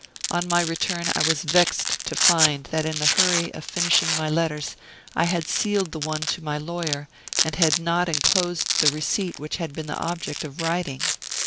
On my return I was vexed to find that in the hurry of finishing my letters I had sealed the one to my lawyer, and had not enclosed the receipt which had been the object of writing.